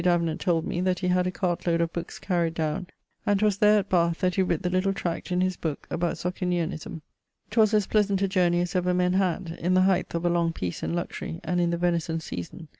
Davenant told me that he had a cart load of bookes carried downe, and 'twas there, at Bath, that he writt the little tract in his booke about Socinianism. 'Twas as pleasant a journey as ever men had; in the heighth of a long peace and luxury, and in the venison season.